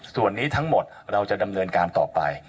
ส่วนนี้ทั้งหมดเราจะดำเนินการต่อไป